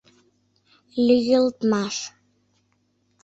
Лӱйылтмаш.